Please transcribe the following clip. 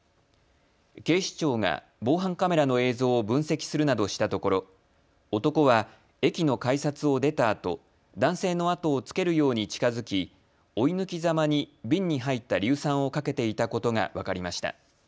警視庁が防犯カメラの映像を分析するなどしたところ男は駅の改札を出たあと男性の後をつけるように近づき、追い抜きざまに瓶に入った硫酸をかけていたことが分かりました。